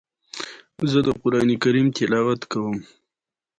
نیکي وکړئ په دریاب یې واچوئ